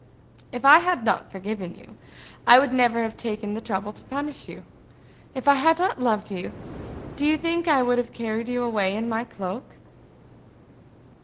"If I had not forgiven you, I would never have taken the trouble to punish you. If I had not loved you, do you think I would have carried you away in my cloak?"